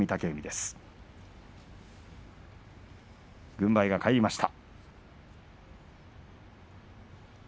軍配が返りました。